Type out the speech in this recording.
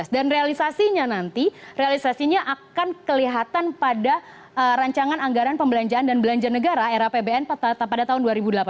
dan realisasinya nanti realisasinya akan kelihatan pada rancangan anggaran pembelanjaan dan belanja negara era pbn pada tahun dua ribu delapan belas